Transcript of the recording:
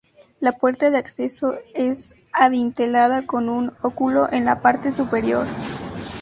La puerta de acceso es adintelada con un óculo en la parte superior.